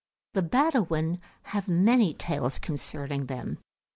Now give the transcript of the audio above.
The Badawin have many tales concerning them.